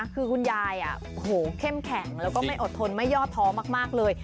คือคุณยายเข้มแข็งแล้วก็ไม่อดทนไม่ยอดท้อมากเลย